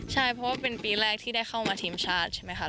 ใช่เพราะว่าเป็นปีแรกที่ได้เข้ามาทีมชาติใช่ไหมคะ